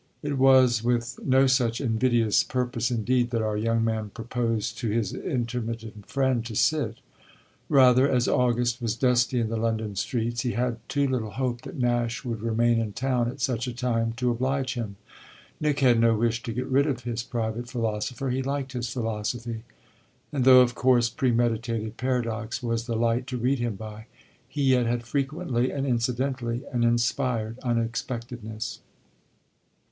It was with no such invidious purpose indeed that our young man proposed to his intermittent friend to sit; rather, as August was dusty in the London streets, he had too little hope that Nash would remain in town at such a time to oblige him. Nick had no wish to get rid of his private philosopher; he liked his philosophy, and though of course premeditated paradox was the light to read him by he yet had frequently and incidentally an inspired unexpectedness.